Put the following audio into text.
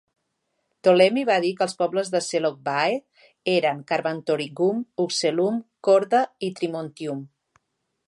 Ptolemy va dir que els pobles dels Selgovae eren "Carbantorigum", "Uxellum", "Corda" i "Trimontium".